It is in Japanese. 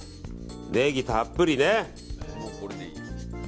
ネギたっぷりね。